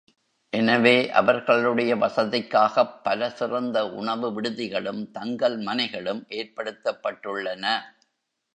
எனவே அவர்களுடைய வசதிக்காகப் பல சிறந்த உணவு விடுதிகளும், தங்கல் மனைகளும் ஏற்படுத்தப்பட்டுள்ளன.